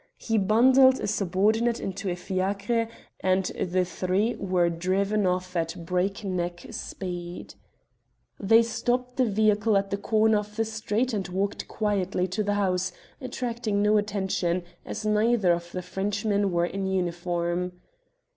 He bundled a subordinate into a fiacre, and the three were driven off at breakneck speed. They stopped the vehicle at the corner of the street and walked quietly to the house, attracting no attention, as neither of the Frenchmen were in uniform.